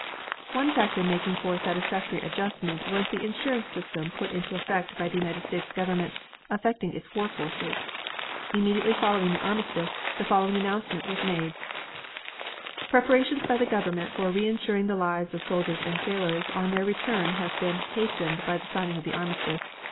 One factor making for satisfactory adjustment was the insurance system put into effect by the United States Government, affecting its war forces. Immediately following the armistice, the following announcement was made: Preparations by the government for re insuring the lives of soldiers and sailors on their return have been hastened by the signing of the armistice.